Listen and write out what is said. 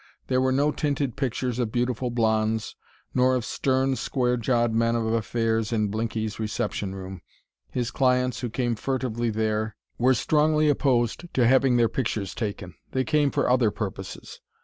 There were no tinted pictures of beautiful blondes nor of stern, square jawed men of affairs in Blinky's reception room. His clients, who came furtively there, were strongly opposed to having their pictures taken they came for other purposes.